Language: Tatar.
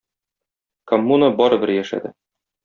Коммуна барыбер яшәде.